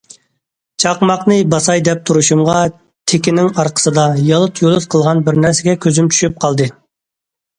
چاقماقنى باساي دەپ تۇرۇشۇمغا تېكىنىڭ ئارقىسىدا« يالت- يۇلت» قىلغان بىرنەرسىگە كۆزۈم چۈشۈپ قالدى.